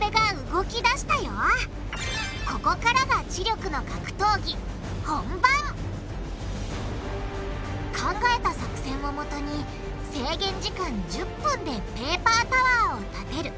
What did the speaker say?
ここからが知力の格闘技本番！考えた作戦をもとに制限時間１０分でペーパータワーを立てる！